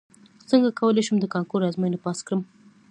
څنګه کولی شم د کانکور ازموینه پاس کړم